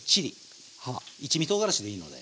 一味とうがらしでいいので。